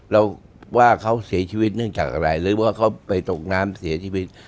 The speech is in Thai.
เราว่าเขาเสียชีวิตเนื่องจากอะไรหรือว่าเขาไปตกน้ำเสียชีวิต